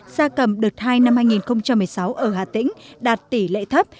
gia cầm đợt hai năm hai nghìn một mươi sáu ở hà tĩnh đạt tỷ lệ thấp